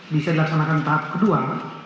bisa dilaksanakan tahap kedua